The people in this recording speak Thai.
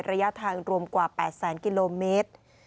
ระยะทางรวมกว่า๘แสนกิโลเมตร